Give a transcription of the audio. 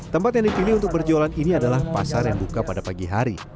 tempat yang dipilih untuk berjualan ini adalah pasar yang buka pada pagi hari